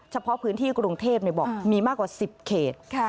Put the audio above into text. เฉพาะพื้นที่กรุงเทพบอกมีมากกว่า๑๐เขต